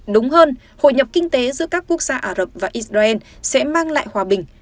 đúng hơn hội nhập kinh tế giữa các quốc gia ả rập và israel sẽ mang lại hòa bình